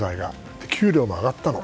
給料も上がったの。